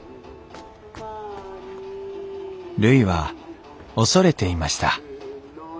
るいは恐れていました。